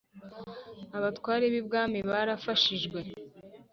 abatware b ibwami barafashijwe